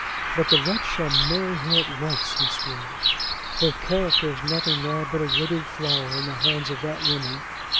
"But the wretch shall marry her at once!" he swore. "Her character is nothing now but a withered flower in the hands of that woman.